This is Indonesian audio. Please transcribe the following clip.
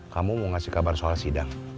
kamu mau ngasih kabar soal sidang